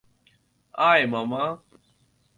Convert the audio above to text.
আয়, মামা।